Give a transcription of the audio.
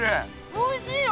おいしいよ！